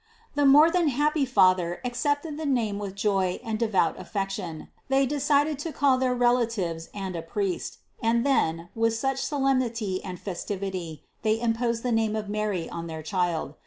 The more than happy father accepted the name with joy and devout affection. They decided to call their relatives and a priest and then, with much solemnity and festivity, they imposed the name of MARY on their Child.